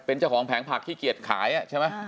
เป็นเจ้าของแผงผักขี้เกียจขายใช่ไหม